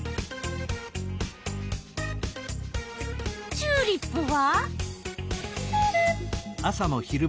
チューリップは？